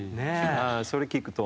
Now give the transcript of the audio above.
それ聞くと。